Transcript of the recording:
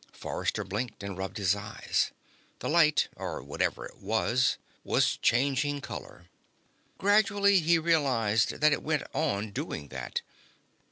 Forrester blinked and rubbed his eyes. The light, or whatever it was, was changing color. Gradually, he realized that it went on doing that.